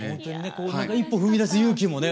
一歩踏み出す勇気もね